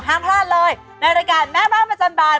ห้ามพลาดเลยในรายการแม่บ้านประจำบาน